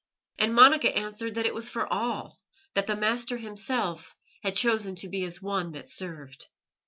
And Monica answered that it was for all, that the Master Himself had chosen to be as One that served.